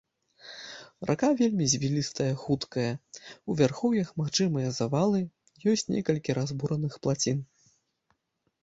Рака вельмі звілістая, хуткая, у вярхоўях магчымыя завалы, ёсць некалькі разбураных плацін.